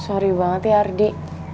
sorry banget ya ardi